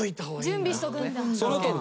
準備しとくんだ。